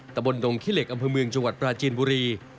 ตะบนดงขี้เหล็กอำเภอเมืองจังหวัดปราจีนบุรี